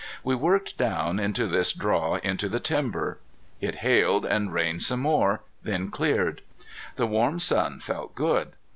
We worked down into this draw into the timber. It hailed, and rained some more, then cleared. The warm sun felt good.